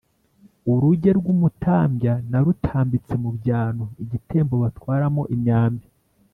uruge rw’umutambya narutambitse mu byano: igitembo batwaramo imyambi